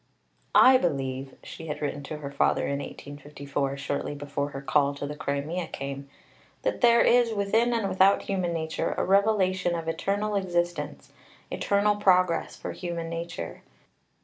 "I believe," she had written to her father in 1854, shortly before her Call to the Crimea came, "that there is, within and without human nature, a revelation of eternal existence, eternal progress for human nature.